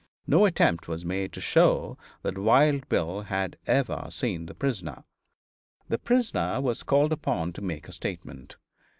No attempt was made to show that Wild Bill had ever seen the prisoner. The prisoner was called upon to make a statement.